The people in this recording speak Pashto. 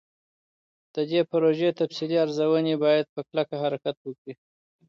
د دې پروژې تفصیلي ارزوني باید په کلکه حرکت وکړي.